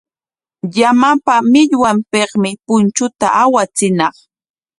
Llamapa millwanpikmi punchunta awachiñaq.